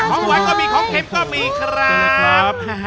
หวานก็มีของเค็มก็มีครับ